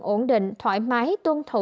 ổn định thoải mái tuân thủ